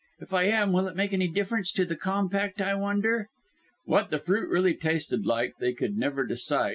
If I am, will it make any difference to the compact, I wonder?" What the fruit really tasted like they could never decide.